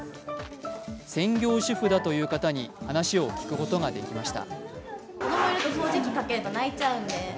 専業主婦だという方に話を聞くことができました。